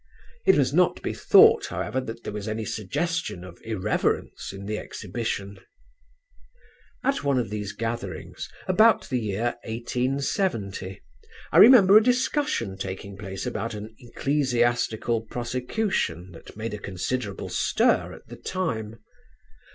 It must not be thought, however, that there was any suggestion of irreverence in the exhibition. "At one of these gatherings, about the year 1870, I remember a discussion taking place about an ecclesiastical prosecution that made a considerable stir at the time.